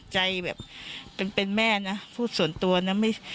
ใจแบบเป็นแม่นะพูดส่วนตัวนะ